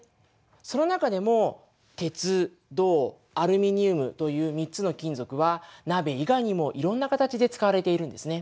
その中でも鉄銅アルミニウムという３つの金属は鍋以外にもいろんな形で使われているんですね。